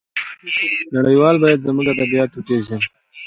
نړيوال بايد زموږ ادبيات وپېژني.